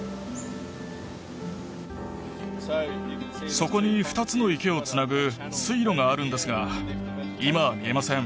そこに二つの池をつなぐ水路があるんですが今は見えません